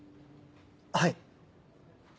はい。